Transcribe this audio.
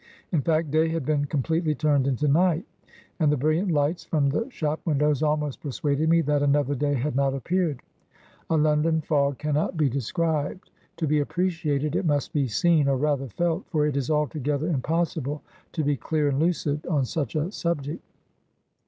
In fact, day had been completely turned into night; and the brilliant lights from the shop windows, almost persuaded me that another day had not appeared. A London fog cannot be described. To be appreciated, it must be seen, or rather, felt, for it is altogether impossible to be clear and lucid on such a subject.